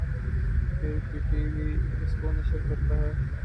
پھر P T V اس کو نشر کرتا ہے